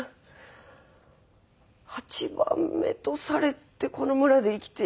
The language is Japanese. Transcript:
８番目とされてこの村で生きていくだけか。